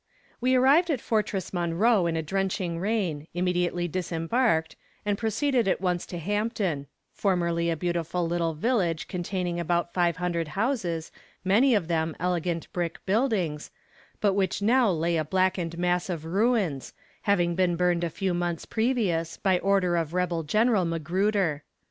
We arrived at Fortress Monroe in a drenching rain, immediately disembarked, and proceeded at once to Hampton formerly a beautiful little village containing about five hundred houses, many of them elegant brick buildings, but which now lay a blackened mass of ruins, having been burned a few months previous by order of rebel General Magruder.